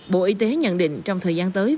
bộ y tế nhận định trong thời gian tới